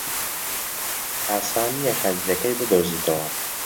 ئاسان نییە خەرجییەکەی بدۆزیتەوە.